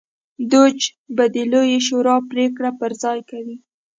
دوج به د لویې شورا پرېکړې پر ځای کوي